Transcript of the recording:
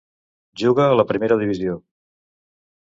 Juga a la Primera Divisió.